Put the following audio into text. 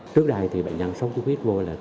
trước đây thì bệnh nhân sốt xuất huyết vô